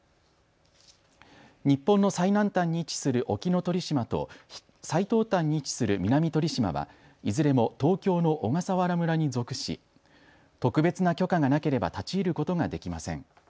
日本の最南端に位置する沖ノ鳥島と最東端に位置する南鳥島はいずれも東京の小笠原村に属し特別な許可がなければ立ち入ることができません。